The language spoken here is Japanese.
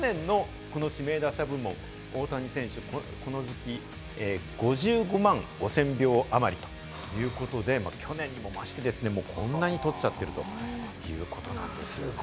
去年の指名打者部門５５万５０００票あまりということで、去年にも増して、こんなに取っちゃっているということなんです。